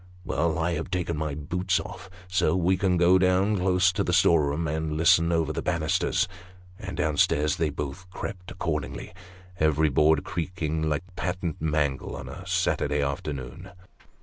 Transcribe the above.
" Well ; I have taken my boots off, so we can go down, close to the storeroom door, and listen over the banisters ;" and down stairs they both crept accordingly, every board creaking like a patent mangle on a Saturday afternoon.